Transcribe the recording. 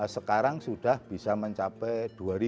sekarang sudah bisa mencapai dua ribu